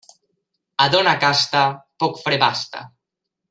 A dona casta, poc fre basta.